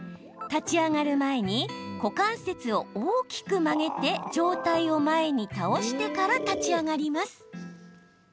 立ち上がる前に股関節を大きく曲げて上体を前に倒してから立ち上がります。